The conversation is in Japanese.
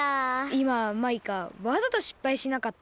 いまマイカわざとしっぱいしなかった？